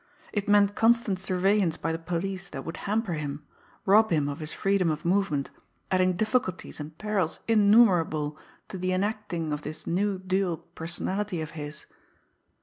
It meant constant surveillance by the police that would hamper him, rob him of his freedom of movement, adding difficulties and perils innumerable to the enacting of this new dual personality of his.